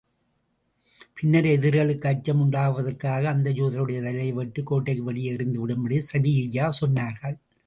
பின்னர் எதிரிகளுக்கு அச்சம் உண்டாவதற்காக, அந்த யூதருடைய தலையை வெட்டி, கோட்டைக்கு வெளியே எறிந்து விடும்படி ஸபிய்யா சொன்னார்கள்.